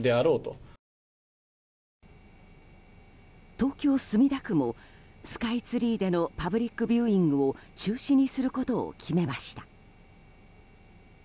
東京・墨田区もスカイツリーでのパブリックビューイングを中止にすることを決めました。